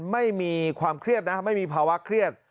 ไม่มีความเครียดนะไม่มีภาวะเครียด